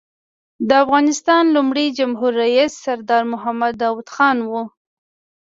د افغانستان لومړی جمهور رییس سردار محمد داود خان و.